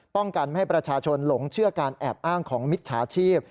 ป้องกันไม่ให้ประชาชนหลงเชื่อการแอบอ้างของมิจฉาชีพ